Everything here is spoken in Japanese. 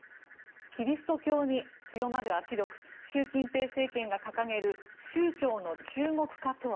キリスト教に強まる圧力習近平政権が掲げる宗教の中国化とは。